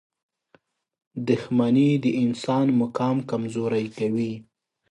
• دښمني د انسان مقام کمزوری کوي.